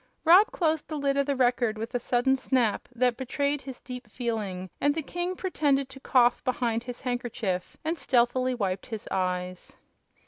Rob closed the lid of the Record with a sudden snap that betrayed his deep feeling, and the king pretended to cough behind his handkerchief and stealthily wiped his eyes.